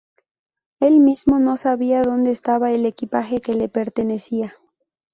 Él mismo no sabía dónde estaba el equipaje que le pertenecía.